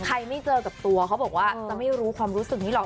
ไม่เจอกับตัวเขาบอกว่าจะไม่รู้ความรู้สึกนี้หรอก